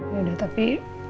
ya udah tapi